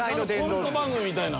コント番組みたいな。